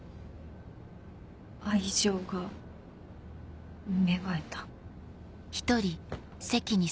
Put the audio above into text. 「愛情が芽生えた」。